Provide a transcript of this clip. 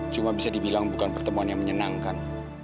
cuma bisa dibilang bukan pertemuan yang menyenangkan